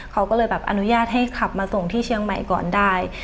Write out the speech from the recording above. เขาก็เลยแบบอนุญาตให้ขับมาส่งที่เชียงใหม่ก่อนได้